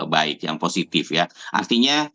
baik yang positif ya artinya